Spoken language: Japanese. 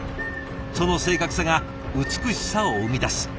その正確さが美しさを生み出す。